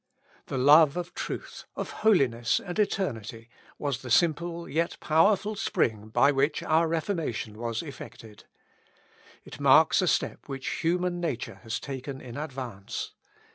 The love of truth, of holiness, and eternity, was the simple, yet powerful, spring by which our Reformation was effected. It marks a step which human nature has taken in advance.